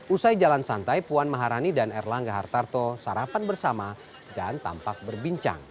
usai jalan santai puan maharani dan erlangga hartarto sarapan bersama dan tampak berbincang